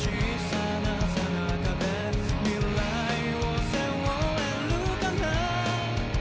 「未来を背負えるかな？」